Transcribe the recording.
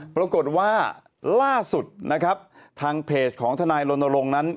ปรากฏว่าล่าสุดนะครับทางเพจของทนายรณรงค์นั้น